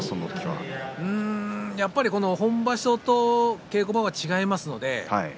やっぱり本場所と稽古は違いますね。